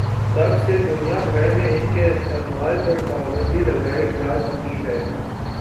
تب سے دنیا بھر میں ان کے استعمال پر پابندی لگائی جاچکی ہے